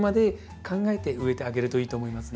考えて植えてあげるといいと思いますね。